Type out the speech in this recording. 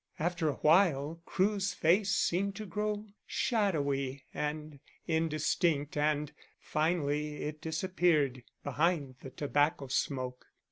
After a while Crewe's face seemed to grow shadowy and indistinct, and finally it disappeared behind the tobacco smoke.